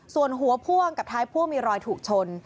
ส่วนหัวพ่วงกับท้ายพ่วงมีรอยถูกชน